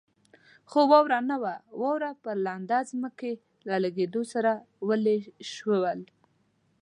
خو واوره نه وه، واوره پر لوندې ځمکې له لګېدو سره ویلې شول.